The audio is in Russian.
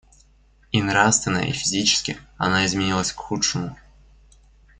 И нравственно и физически она изменилась к худшему.